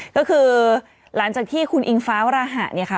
ก็คือหลังจากที่คุณอิงฟ้าวราหะเนี่ยค่ะ